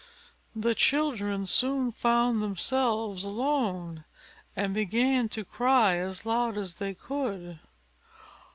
The children soon found themselves alone, and began to cry as loud as they could.